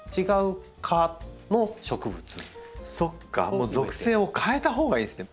そうか属性を変えたほうがいいんですね。